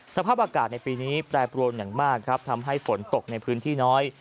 สภาพอากาศในปีนี้แปรปรวนอย่างมากครับทำให้ฝนตกในพื้นที่น้อย